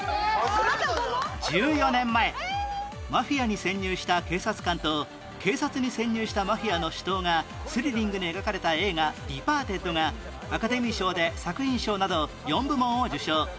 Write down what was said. １４年前マフィアに潜入した警察官と警察に潜入したマフィアの死闘がスリリングに描かれた映画『ディパーテッド』がアカデミー賞で作品賞など４部門を受賞